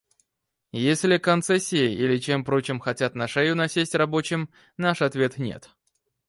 Если концессией или чем прочим хотят на шею насесть рабочим, — наш ответ: нет!